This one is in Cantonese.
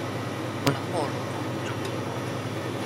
我諗我老公唔鍾意我